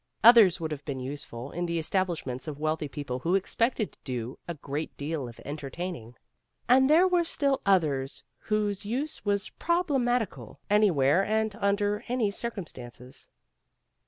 Others would have been useful in the establishments of wealthy people who ex pected to do a great deal of entertaining. And there were still others whose use was prob lematical, anywhere and under any circum stances.